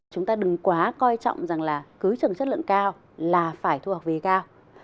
chúng ta đừng quá coi trọng rằng là cứ trần chất lượng cao là phải thu học phí cao